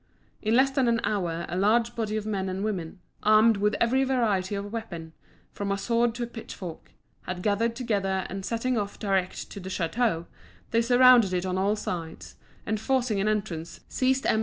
In less than an hour a large body of men and women, armed with every variety of weapon, from a sword to a pitchfork, had gathered together, and setting off direct to the château, they surrounded it on all sides, and forcing an entrance, seized M.